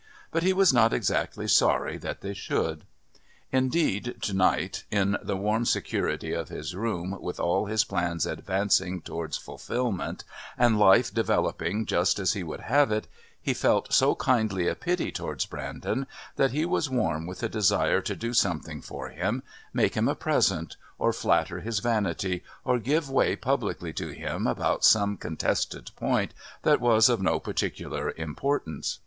But he was not exactly sorry that they should. Indeed, to night, in the warm security of his room, with all his plans advancing towards fulfillment, and life developing just as he would have it, he felt so kindly a pity towards Brandon that he was warm with the desire to do something for him, make him a present, or flatter his vanity, or give way publicly to him about some contested point that was of no particular importance.